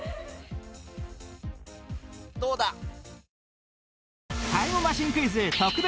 どうだ？